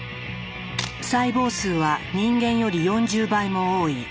細胞数は人間より４０倍も多い。